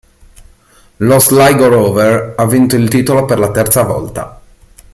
Lo Sligo Rovers ha vinto il titolo per la terza volta.